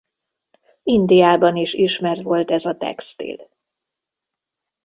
Indiában is ismert volt ez a textil.